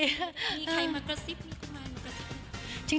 มีใครมากระซิบมีคนมากระซิบ